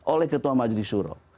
oleh ketua majlis shura